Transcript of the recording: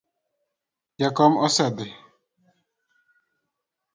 Jakom osedhi